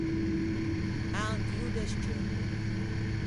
À un tio de scceuppo.